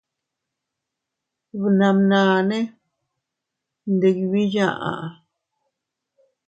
Bnamnane ndibii yaʼa.